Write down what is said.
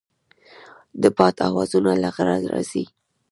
د باد اواز له غره راځي.